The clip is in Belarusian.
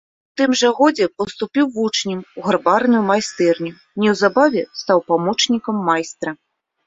У тым жа годзе паступіў вучнем у гарбарную майстэрню, неўзабаве стаў памочнікам майстра.